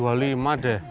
boleh nggak dua puluh lima